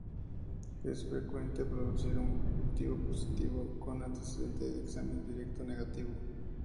Es frecuente producir un cultivo positivo con antecedente de examen directo negativo.